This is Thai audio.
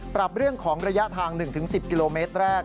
ปรับเรื่องของระยะทาง๑๑๐กิโลเมตรแรก